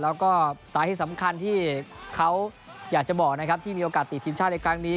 แล้วก็สาเหตุสำคัญที่เขาอยากจะบอกนะครับที่มีโอกาสติดทีมชาติในครั้งนี้